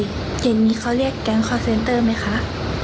เย็นนี้เค้าเรียกแก็งกอร์เซนเตอร์มั้ยคะ